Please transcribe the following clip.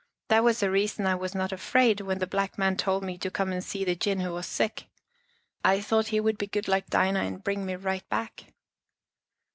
That was the reason I was not afraid, when the black man told me to come and see the gin who was sick. I thought he would be good like Dinah and bring me right back."